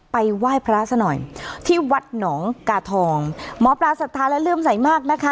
ไปไหว้พระซะหน่อยที่วัดหนองกาทองหมอปลาศรัทธาและเลื่อมใสมากนะคะ